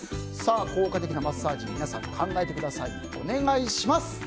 効果的なマッサージ皆さん考えてください。